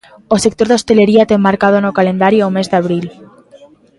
O sector da hostalería ten marcado no calendario o mes de abril.